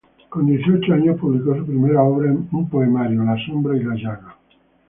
Con dieciocho años publicó su primera obra, un poemario: "La sombra y la llaga".